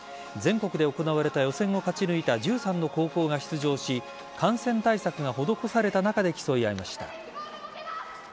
全国で行われた予選を勝ち抜いた１３の高校が出場し感染対策が施された中で競い合いました。